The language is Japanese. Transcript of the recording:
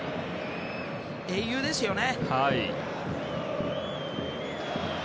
英雄ですよね。